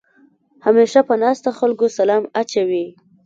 همېشه په ناستو خلکو سلام اچوې.